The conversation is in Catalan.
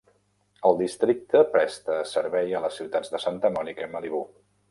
El districte presta servei a les ciutats de Santa Monica i Malibu.